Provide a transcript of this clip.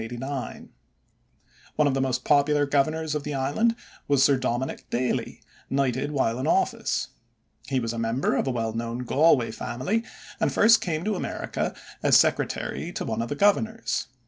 One of the most popular governors of the island was Sir Dominick Daly, knighted while in office. He was a member of a well known Galway family, and first came to America as secretary to one of the governors.